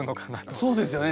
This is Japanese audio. そうですよね